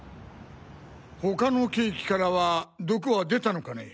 他のケーキからは毒は出たのかね？